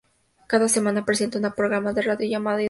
Cada semana presenta un programa de radio llamado "Identity".